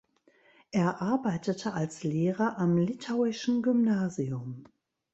Er arbeitete als Lehrer am "Litauischen Gymnasium".